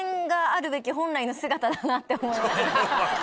だなって思いました。